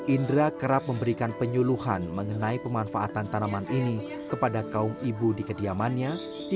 indra kerap memberikan penyuluhan mengenai pemanfaatan tanaman ini kepada kaum ibu di kediamannya